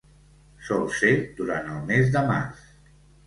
Sol ser durant el mes de març.